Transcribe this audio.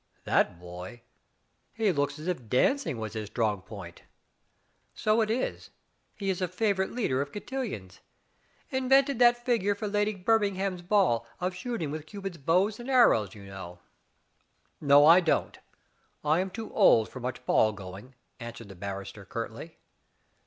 "That boy! He looks as if dancing was his strong point." "So it is. He is a favorite leader of cotillons — invented that figure for Lady Birmingham's ball of shooting with Cupid's bows and arrows — you know." Digitized by Google S8 THE FATE OF FENELLA. '*No, I don't. I am too old for much ball going/' answered the barrister curtly.